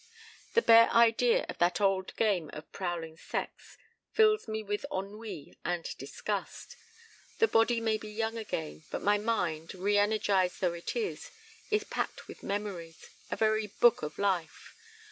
The bare idea of that old game of prowling sex fills me with ennui and disgust. The body may be young again, but my mind, reënergized though it is, is packed with memories, a very Book of Life.